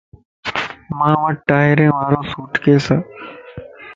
مان وٽ ٽائرين وارو سوٽ ڪيس